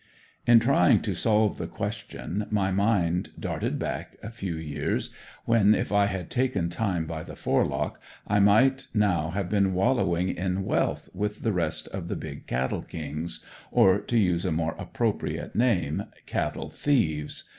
In trying to solve the question my mind darted back a few years, when, if I had taken time by the forelock, I might have now been wallowing in wealth with the rest of the big cattle kings or to use a more appropriate name, cattle thieves.